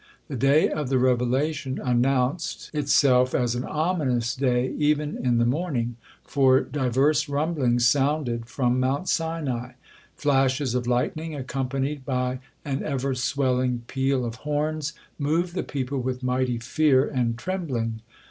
The day of the revelation announced itself as an ominous day even in the morning, for diverse rumblings sounded from Mount Sinai. Flashes of lightning, accompanied by an ever swelling peal of horns, moved the people with mighty fear and trembling.